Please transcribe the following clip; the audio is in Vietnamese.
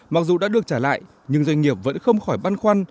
mặc dù đã được trả lại nhưng doanh nghiệp vẫn không khỏi băn khoăn